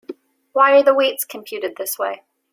Why are the weights computed this way?